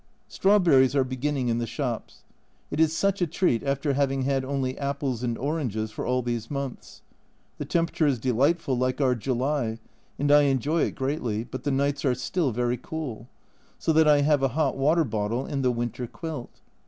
Strawberries are beginning in the shops ; it is such a treat after having had only apples and oranges for all these months. The temperature is delight ful, like our July, and I enjoy it greatly, but the nights are still very cool, so that I have a hot water bottle and the winter quilt.